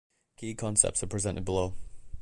Key concepts are presented below.